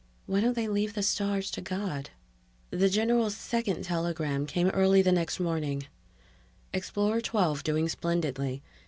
Why don't they leave the stars to God? The general's second telegram came early the next morning: Explorer XII _doing splendidly.